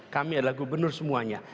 kami adalah gubernur semuanya